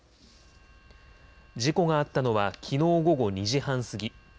事故があったのはきのう午後２時半過ぎ。